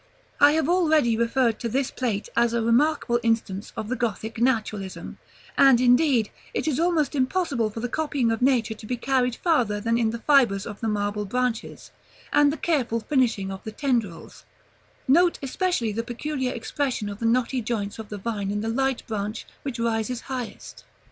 I have already referred to this Plate as a remarkable instance of the Gothic Naturalism; and, indeed, it is almost impossible for the copying of nature to be carried farther than in the fibres of the marble branches, and the careful finishing of the tendrils: note especially the peculiar expression of the knotty joints of the vine in the light branch which rises highest.